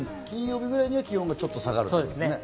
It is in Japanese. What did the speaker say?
金曜日ぐらいには気温がちょっと下がるんですね。